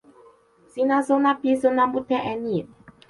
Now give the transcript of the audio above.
sina sona pi pona mute e ni.